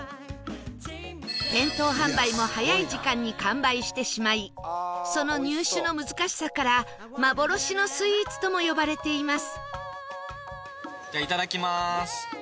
店頭販売も早い時間に完売してしまいその入手の難しさから幻のスイーツとも呼ばれています